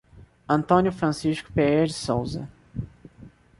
Antônio Francisco Pereira de Sousa